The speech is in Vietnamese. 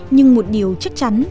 nhưng một điều chắc chắn